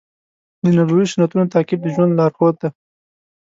د نبوي سنتونو تعقیب د ژوند لارښود دی.